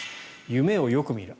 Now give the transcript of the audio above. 夢をよく見る。